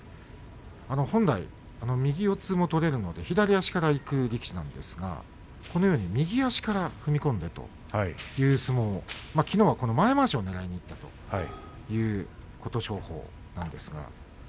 本来、右四つ相撲を取れるので左足からいく力士なんですが右足から踏み込んでという相撲きのうは前まわしをねらいにいったという琴勝峰なんですが。